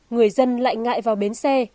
người dân lại ngại vào bến xe